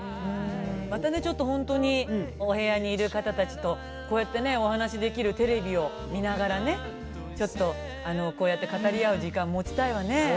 またねちょっとほんとにお部屋にいる方たちとこうやってねお話しできるテレビを見ながらねちょっとこうやって語り合う時間持ちたいわね。